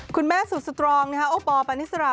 คุณแม่สุดสตรองนะครับโอปอล์ปานิสรา